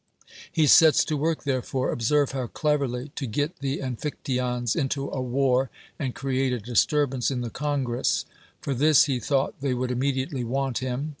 lie sets to work therefore — observe liow cleverly — to get the Amphictyons into a war, and create a disturb ance in the congress. For this he thought they would immediately want him.